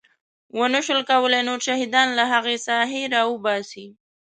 ونه شول کولی نور شهیدان له هغې ساحې راوباسي.